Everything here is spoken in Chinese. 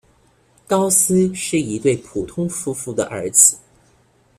高斯是一对普通夫妇的儿子。